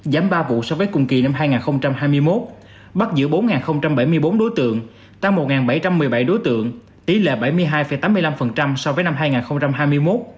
giảm ba vụ so với cùng kỳ năm hai nghìn hai mươi một bắt giữ bốn bảy mươi bốn đối tượng tăng một bảy trăm một mươi bảy đối tượng tỷ lệ bảy mươi hai tám mươi năm so với năm hai nghìn hai mươi một